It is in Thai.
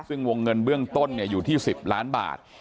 ซึ่งวงเงินเบื้องต้นอยู่ที่๑๐ล้านบาท